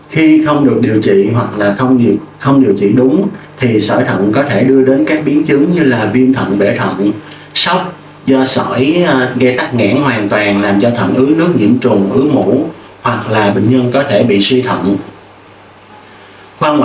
khi không được điều trị hoặc là không điều trị đúng thì sỏi thận có thể đưa đến các biến chứng như là viêm thận bể thận sốc do sỏi gây tắc nghẽn hoàn toàn làm cho thẳng ứng nước nhiễm trùng ứ mổ hoặc là bệnh nhân có thể bị suy thận